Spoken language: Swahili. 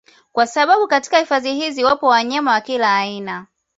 Kwa sababu katika hifadhi hizi wapo wanyama wa kila aina